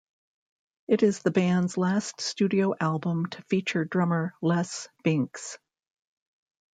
It is the band's last studio album to feature drummer Les Binks.